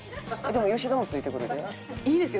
でも吉田もついてくるで？